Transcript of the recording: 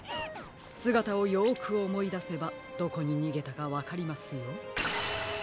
すがたをよくおもいだせばどこににげたかわかりますよ。